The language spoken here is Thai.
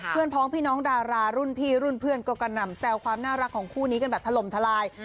พ้องพี่น้องดารารุ่นพี่รุ่นเพื่อนก็กระหน่ำแซวความน่ารักของคู่นี้กันแบบถล่มทลาย